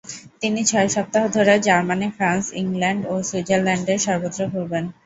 তিনি ছয় সপ্তাহ ধরে জার্মানী, ফ্রান্স, ইংলণ্ড ও সুইজরলণ্ডের সর্বত্র ঘুরবেন।